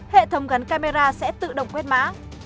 hệ thống gắn camera sẽ tự động quét mã